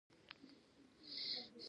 لمسی له بې وزله ماشومانو سره مرسته کوي.